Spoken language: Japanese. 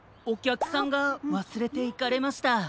おきゃくさんがわすれていかれました。